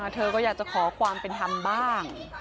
เธอก็อยากจะขอความเป็นธรรมบ้าง